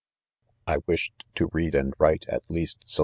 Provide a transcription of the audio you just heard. I: wished to. read and write, at least, so